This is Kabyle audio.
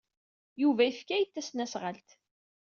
Yuba yefka-iyi-d tasnasɣalt.